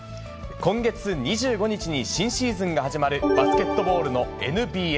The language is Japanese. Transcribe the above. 今月２５日に新シーズンが始まるバスケットボールのＮＢＡ。